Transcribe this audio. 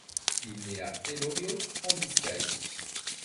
Il naît à Elorrio en Biscaye.